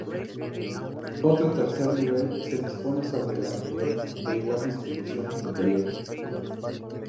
Otro tercer nivel se dispone sobre el anterior, de igual distribución interior.